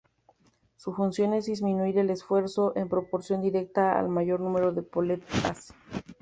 Su función es disminuir el esfuerzo en proporción directa al mayor número de poleas.